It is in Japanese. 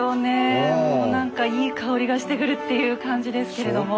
もう何かいい香りがしてくるっていう感じですけれども。